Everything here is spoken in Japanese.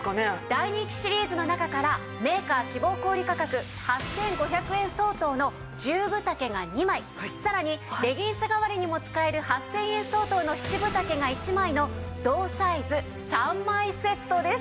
大人気シリーズの中からメーカー希望小売価格８５００円相当の１０分丈が２枚さらにレギンス代わりにも使える８０００円相当の７分丈が１枚の同サイズ３枚セットです。